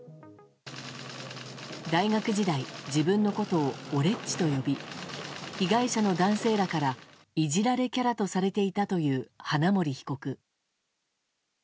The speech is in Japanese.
大学時代、自分のことをおれっちと呼び被害者の男性らからいじられキャラとされていたという花森被告。